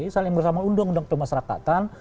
saat yang bersamaan undang undang kemasyarakatan